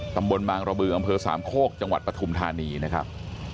ตำบลบางระบืออำเภอสามโคกจังหวัดปฐุมธานีนะครับ